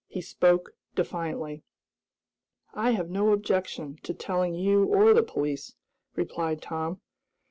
He spoke defiantly. "I've no objection to telling you or the police," replied Tom.